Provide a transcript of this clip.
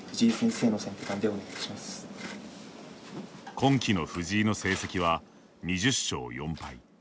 今季の藤井の成績は２０勝４敗。